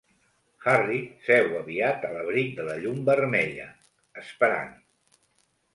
Harry seu aviat a l"abric de la llum vermella, esperant.